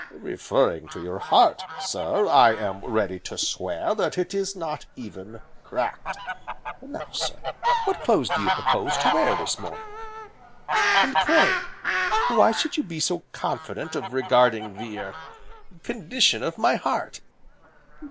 Referring to your heart, sir, I am ready to swear that it is not even cracked. And now, sir, what clothes do you propose to wear this morning?" "And pray, why should you be so confident of regarding the er condition of my heart?"